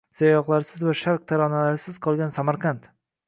Sayyohlarsiz va Sharq taronalarisiz qolgan Samarqand